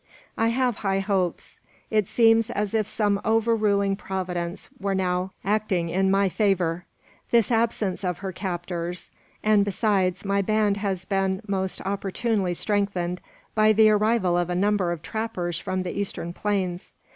"I have high hopes. It seems as if some overruling providence were now acting in my favour. This absence of her captors; and, besides, my band has been most opportunely strengthened by the arrival of a number of trappers from the eastern plains.